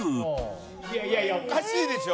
「いやいやいやおかしいでしょ」